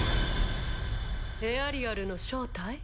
エアリアルの正体？